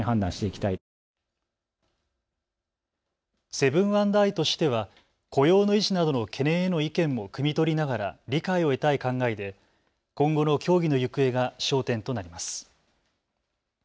セブン＆アイとしては雇用の維持などの懸念への意見もくみ取りながら理解を得たい考えで今後の協議の行方が焦点となります。